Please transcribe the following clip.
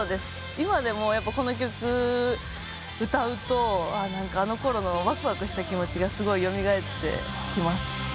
今でもこの曲歌うとあのころのわくわくした気持ちがすごい蘇ってきます。